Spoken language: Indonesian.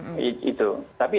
tapi saya tujuan bang